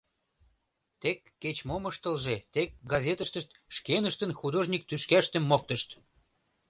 Тек кеч-мом ыштылже, тек газетыштышт шкеныштын художник тӱшкаштым моктышт.